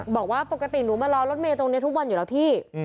บอกว่าปกติหนูมารอรถเมย์ตรงนี้ทุกวันอยู่แล้วพี่